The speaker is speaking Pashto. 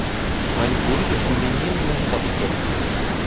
ماري کوري د پولونیم نوم ثبت کړ.